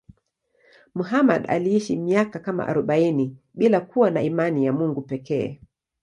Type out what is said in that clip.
Muhammad aliishi miaka kama arobaini bila kuwa na imani ya Mungu pekee.